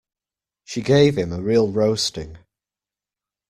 She gave him a real roasting.